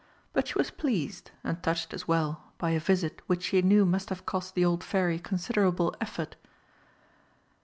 But she was pleased, and touched as well, by a visit which she knew must have cost the old Fairy considerable effort.